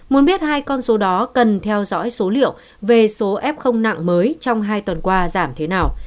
muốn biết hai con số đó cần theo dõi số liệu về số f nặng mới trong hai tuần qua giảm thế nào